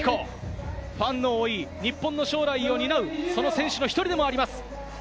ファンの多い、日本の将来を担う、その選手の１人でもあります。